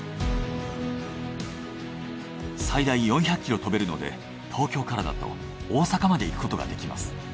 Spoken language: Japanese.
最大４００キロ飛べるので東京からだと大阪まで行くことができます。